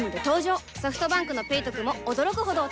ソフトバンクの「ペイトク」も驚くほどおトク